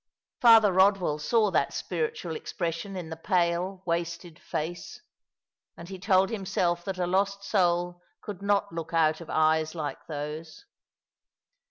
Father Kodwell saw that spiritual expression in the pale, wasted fac«, and he told himself that a lost soul could not look out of eyes like those.